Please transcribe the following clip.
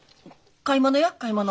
買い物や買い物。